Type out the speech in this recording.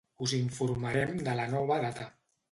Us informarem de la nova data.